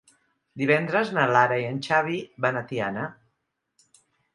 Divendres na Lara i en Xavi van a Tiana.